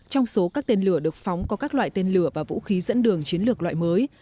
trong số các tên lửa được phóng có các loại tên lửa và vũ khí dẫn đường chiến lược loại mới